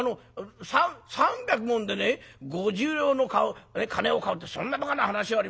三百文で五十両の金を買うってそんなばかな話はありま。